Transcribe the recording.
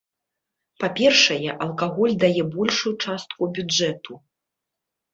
Па-першае, алкаголь дае большую частку бюджэту.